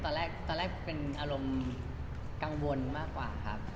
ตอนแรกตอนแรกเป็นอารมณ์กังวลมากกว่าครับ